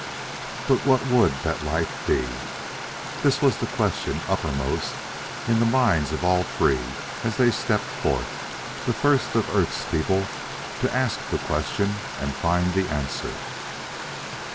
But what would that life be? This was the question uppermost in the minds of all three as they stepped forth the first of Earth's people to ask the question and to find the answer.